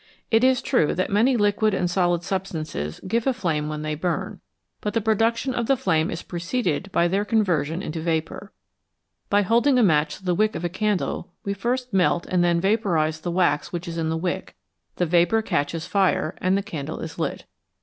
It is true that many liquid and solid substances give a flame when they burn, but the production of the flame is preceded by their conversion into vapour. By holding a match to the wick of a candle we first melt and then vapourise the wax which is in the wick ; the vapour catches fire and the candle is lit.